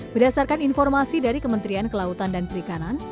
berdasarkan informasi dari kementerian kelautan dan perikanan